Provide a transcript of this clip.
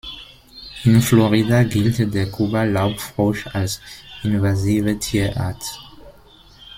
In Florida gilt der Kuba-Laubfrosch als Invasive Tierart.